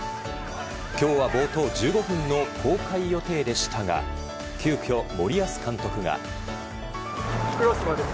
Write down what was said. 今日は冒頭１５分の公開予定でしたが急きょ、森保監督が。